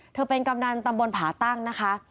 เป็นกำนันตำบลผาตั้งนะคะ